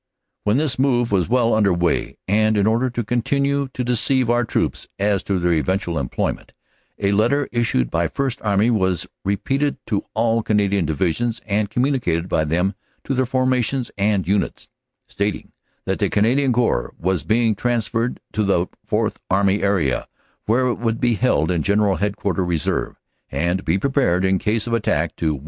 "When this move was well under way and in order to con tinue to deceive our troops as to their eventual employment, a letter issued by First Army was repeated to all Canadian Divi sions and communicated by them to their formations and Units, stating that the Canadian Corps was being transferred to the Fourth Army area, where it would be held in G. H. Q, Reserve and be prepared in case of attack to: "1.